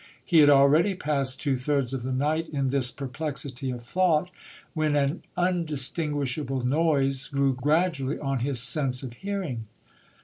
He had already passed two thirds of the night in this perplexity of thought, when an undistinguishable noise grew gradually on his sense of hearing.